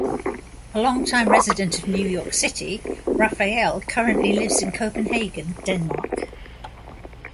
A long-time resident of New York City, Raphael currently lives in Copenhagen, Denmark.